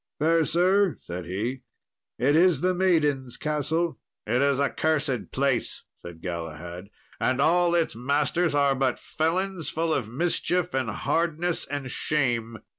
"Fair sir," said he, "it is the Maiden's Castle." "It is a cursed place," said Galahad, "and all its masters are but felons, full of mischief and hardness and shame."